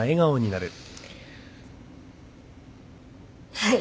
はい。